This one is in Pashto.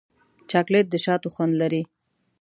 چاکلېټ د شاتو خوند لري.